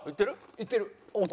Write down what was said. いってる。